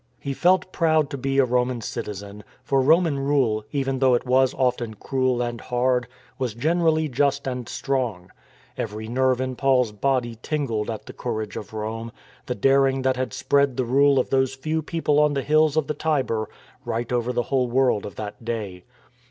He felt proud to be a Roman citizen; for Roman rule, even though it was often cruel and hard, was generally just and strong. Every nerve in Paul's body tingled at the courage of Rome, the daring that had * 59. Paul probably reached Rome in February, 60. ON THE APPIAN WAY 343 spread the rule of those few people on the hills of the Tiber right over the whole world of that day.